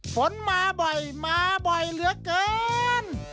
ฝนมาบ่อยมาบ่อยเหลือเกิน